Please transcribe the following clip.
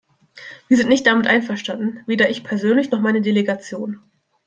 Wir sind nicht damit einverstanden, weder ich persönlich noch meine Delegation.